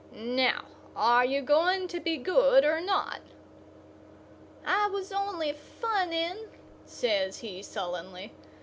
Now, are you going to be good, or not?" "I was only funning," says he sullenly.